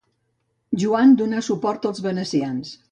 Joan donà suport als venecians.